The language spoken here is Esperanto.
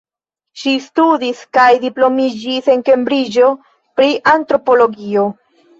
Ŝi studis kaj diplomiĝis en Kembriĝo pri antropologio.